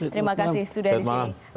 terima kasih sudah di sini